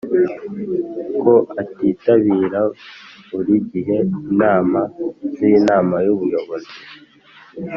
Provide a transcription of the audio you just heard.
ko atitabira buri gihe inama z Inama y Ubuyobozi